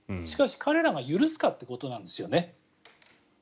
しかし彼らが許すかということなんですね。